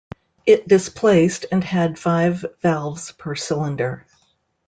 It displaced and had five valves per cylinder.